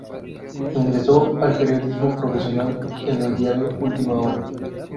Ingresó al periodismo profesional en el diario "Última hora".